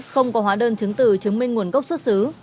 không có hóa đơn chứng từ chứng minh nguồn gốc xuất xứ